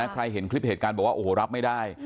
ใครเห็นคลิปเหตุการณ์บอกว่าโอ้โหรับไม่ได้